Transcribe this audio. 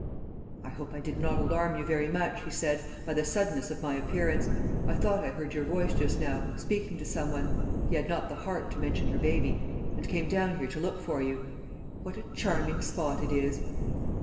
"I hope I did not alarm you very much," he said, "by the suddenness of my appearance. I thought I heard your voice just now, speaking to some one" he had not the heart to mention her baby "and came down here to look for you. What a charming spot it is!"